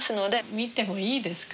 見てもいいですか？